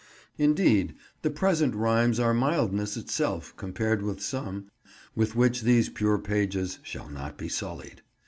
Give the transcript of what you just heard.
Indeed, the present rhymes are mildness itself compared with some, with which these pure pages shall not be sullied.